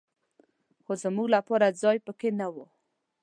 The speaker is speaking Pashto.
خو زمونږ لپاره ځای په کې نه و.